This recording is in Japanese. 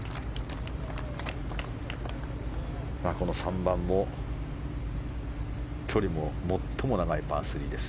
この３番距離も最も長いパー３です。